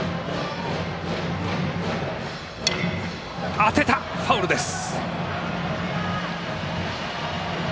当てましたがファウルです。